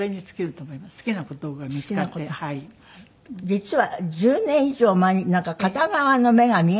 実は１０年以上前になんか片側の目が見えなくなった。